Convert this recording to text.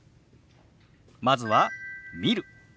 まずは「見る」。